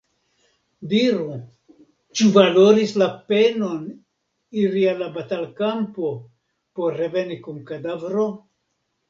Diru, ĉu valoris la penon iri al la batalkampo por reveni kun kadavro?”